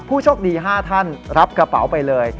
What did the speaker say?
โชคดี๕ท่านรับกระเป๋าไปเลย